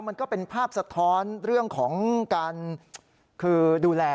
มันก็เป็นภาพสะท้อนเรื่องของการคือดูแล